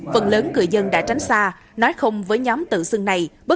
phần lớn người dân đã tránh xa nói không với nhóm tự xưng này bất